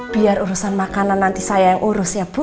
biar urusan makanan nanti saya yang urus ya bu